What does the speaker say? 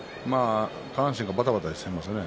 下半身がばたばたしていますね。